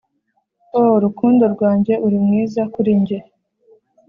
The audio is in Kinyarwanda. ooh rukundo rwanjye uri mwiza kuri njye